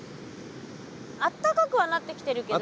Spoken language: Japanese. あったかくはなってきてるけど。